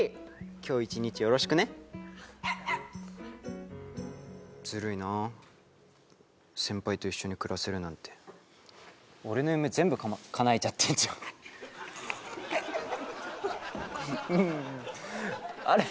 今日一日よろしくねずるいな先輩と一緒に暮らせるなんて俺の夢全部かまかなえちゃってんじゃんあれ？